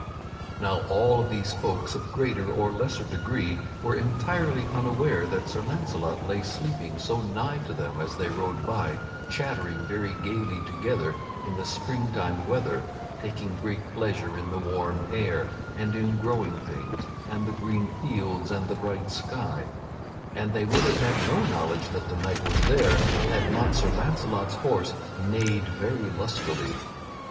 Now all these folk of greater or lesser degree were entirely unaware that Sir Launcelot lay sleeping so nigh to them as they rode by chattering very gayly together in the spring time weather, taking great pleasure in the warm air, and in growing things, and the green fields, and the bright sky; and they would have had no knowledge that the knight was there, had not Sir Launcelot's horse neighed very lustily.